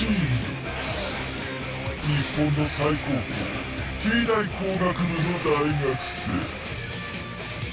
日本の最高峰Ｔ大工学部の大学生。